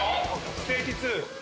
ステージ２。